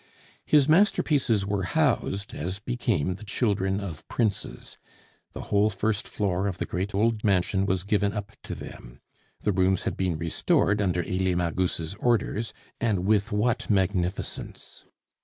His masterpieces were housed as became the children of princes; the whole first floor of the great old mansion was given up to them. The rooms had been restored under Elie Magus' orders, and with what magnificence!